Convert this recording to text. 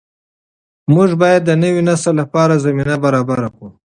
موږ باید د نوي نسل لپاره زمینه برابره کړو.